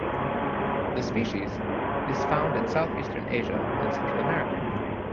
The species is found in Southeastern Asia and Central America.